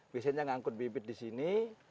biasanya ngangkut bibit di sini